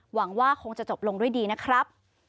หวังว่าคงจะจบลงด้วยดีนะครับ